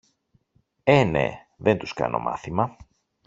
Ε, ναι! δεν τους κάνω μάθημα!